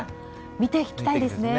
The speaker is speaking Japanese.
見ていきたいですね。